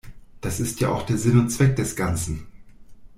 Das ist ja auch der Sinn und Zweck des Ganzen.